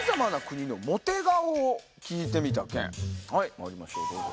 まいりましょうどうぞ。